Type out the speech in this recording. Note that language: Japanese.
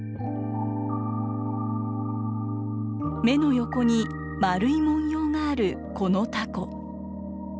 目の横に丸い文様があるこのタコ。